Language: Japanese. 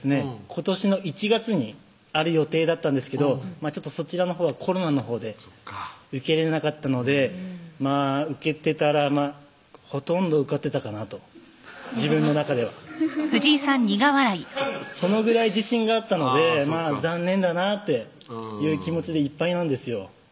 今年の１月にある予定だったんですけどそちらのほうはコロナのほうで受けれなかったので受けてたらほとんど受かってたかなと自分の中ではそのぐらい自信があったので残念だなっていう気持ちでいっぱいなんですよ